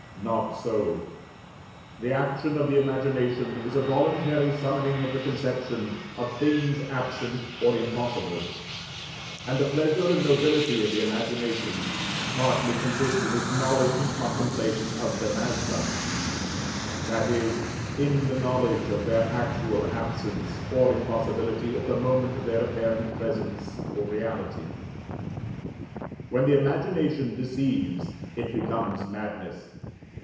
Not so: the action of the imagination is a voluntary summoning of the conceptions of things absent or impossible; and the pleasure and nobility of the imagination partly consist in its knowledge and contemplation of them as such, i.e. in the knowledge of their actual absence or impossibility at the moment of their apparent presence or reality. When the imagination deceives it becomes madness.